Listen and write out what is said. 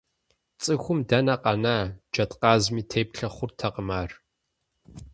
ЦӀыхум дэнэ къэна, джэдкъазми теплъэ хъуртэкъым ар!